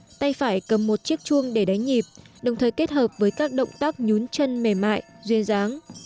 người múa tay trái cầm một chiếc chuông để đáy nhịp đồng thời kết hợp với các động tác nhún chân mềm mại duyên dáng